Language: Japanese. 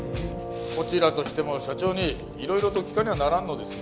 こちらとしても社長にいろいろと聞かにゃならんのですよ。